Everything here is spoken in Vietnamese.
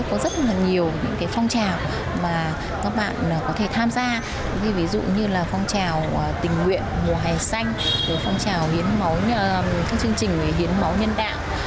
có rất là nhiều những phong trào mà các bạn có thể tham gia ví dụ như là phong trào tình nguyện mùa hè xanh phong trào hiến máu các chương trình hiến máu nhân đạo